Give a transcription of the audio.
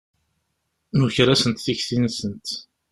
Nuker-asent tikti-nsent.